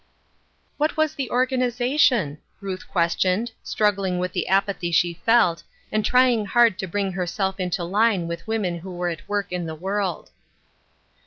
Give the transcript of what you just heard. " What was the organization ?" Ruth questioned, struggling with the apathy she felt, and trying hard to bring herself into line with women who were at work in the world.